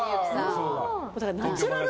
ナチュラル